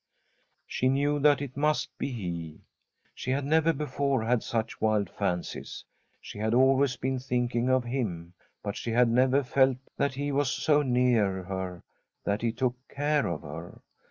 She knew that it must be he. She had never before had such wild fancies. She had always been thinking of him, but she had never felt that he was so near her that he took care of her.